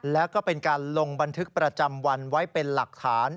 แล้วก็เป็นการลงบันทึกประจำวันไว้เป็นหลักฐาน